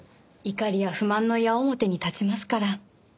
怒りや不満の矢面に立ちますから。